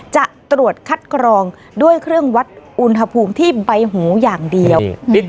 จะตรวจคัดกรองด้วยเครื่องวัดอุณหภูมิที่ใบหูอย่างเดียว